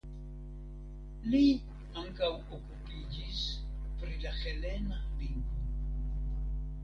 Li ankaŭ okupiĝis pri la helena lingvo.